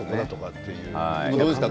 どうですか？